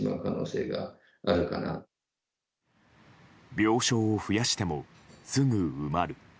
病床を増やしてもすぐ埋まる。